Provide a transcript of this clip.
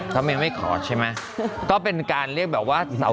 ทำไมไม่ขอใช่ไหมก็เป็นการเรียกแบบว่า